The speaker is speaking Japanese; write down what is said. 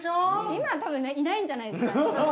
今たぶんいないんじゃないですかね。